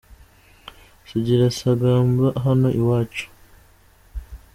Sugira sagamba hano iwacu